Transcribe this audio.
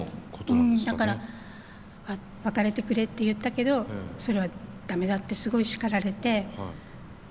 だから別れてくれって言ったけどそれは駄目だってすごい叱られて。